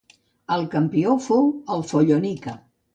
El campió fou el Follonica.